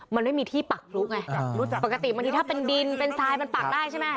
มันไม่มีที่ปักพลุไงปกติบางทีถ้าเป็นดินเป็นทรายมันปักได้ใช่ไหม